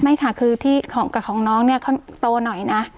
ไม่ค่ะคือที่กับของน้องเนี่ยเขาโตหน่อยนะ